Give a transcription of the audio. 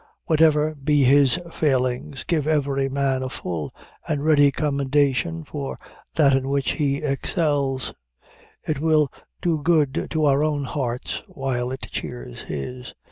Whatever be his failings, give every man a full and ready commendation for that in which he excels; it will do good to our own hearts, while it cheers his.